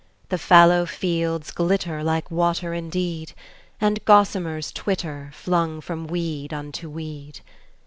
The fallow fields glitter like water indeed, And gossamers twitter, flung from weed unto weed.